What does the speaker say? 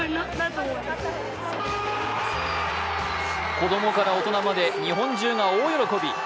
子供から大人まで日本中が大喜び。